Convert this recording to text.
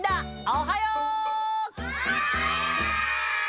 おはよう！